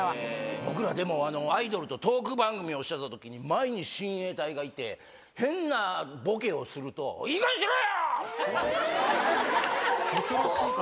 僕らでも、アイドルとトーク番組をしてたときに、前に親衛隊がいて、変なボケをすると、いいかげんにしろよ！